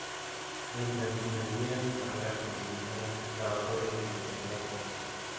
Mientras emprendía su carrera como escritora, trabajó de diseñadora gráfica.